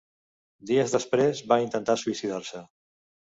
Dies després, va intentar suïcidar-se.